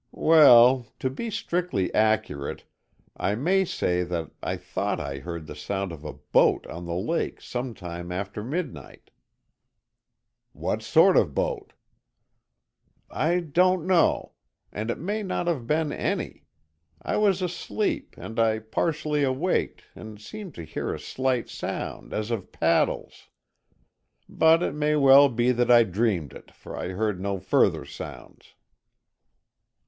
"Well, to be strictly accurate, I may say that I thought I heard the sound of a boat on the lake some time after midnight." "What sort of boat?" "I don't know. And it may not have been any. I was asleep, and I partially awaked and seemed to hear a slight sound as of paddles. But it may well be that I dreamed it, for I heard no further sounds."